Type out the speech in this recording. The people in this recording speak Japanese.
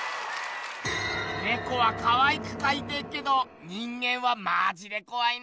ネコはかわいくかいてっけど人間はマジでこわいな。